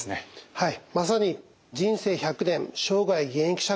はい。